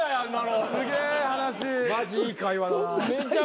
マジいい会話だな。